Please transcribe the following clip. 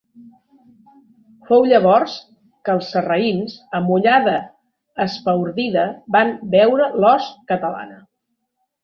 Fou llavors que els sarraïns, amb ullada espaordida, van veure l’host catalana.